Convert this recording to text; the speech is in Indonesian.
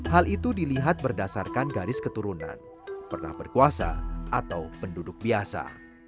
hal itu dilihat berdasarkan garis keturunan pernah berkuasa atau penduduk biasa